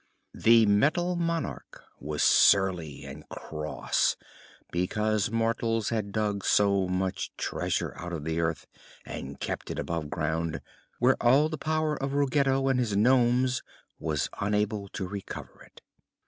The Metal Monarch was surly and cross because mortals had dug so much treasure out of the earth and kept it above ground, where all the power of Ruggedo and his nomes was unable to recover it.